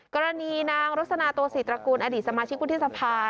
กรณีนางโฆษณาตัวศรีตระกูลอดีตสมาชิกวุฒิสภา